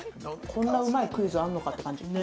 こんなうまいクイズあんのかって感じ。